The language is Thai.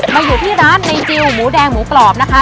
มาอยู่ที่ร้านในจิลหมูแดงหมูกรอบนะคะ